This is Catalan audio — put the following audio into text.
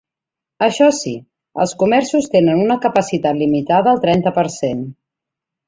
Això sí, els comerços tenen una capacitat limitada al trenta per cent.